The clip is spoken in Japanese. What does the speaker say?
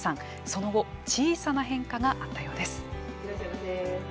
その後小さな変化があったようです。